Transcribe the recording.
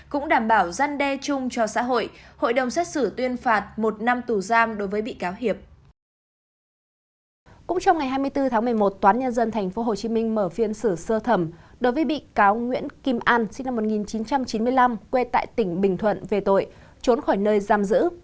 kim an sinh năm một nghìn chín trăm chín mươi năm quê tại tỉnh bình thuận về tội trốn khỏi nơi giam giữ